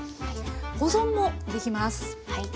保存もできます。